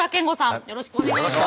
よろしくお願いします。